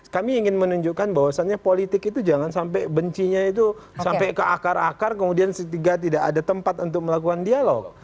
kami ingin menunjukkan bahwasannya politik itu jangan sampai bencinya itu sampai ke akar akar kemudian tidak ada tempat untuk melakukan dialog